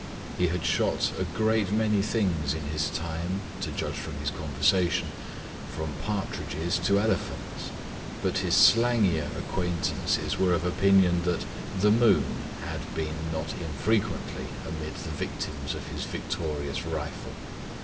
He had shot a great many things in his time, to judge from his conversation, from partridges to elephants, but his slangier acquaintances were of opinion that "the moon" had been not unfrequently amid the victims of his victorious rifle.